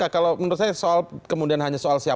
kalau menurut saya soal kemudian hanya pilihan